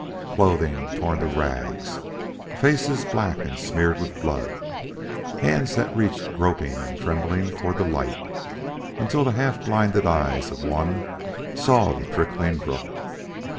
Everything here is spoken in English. Clothing torn to rags faces black and smeared with blood hands that reached groping and trembling toward the light, until the half blinded eyes of one saw the trickling brook.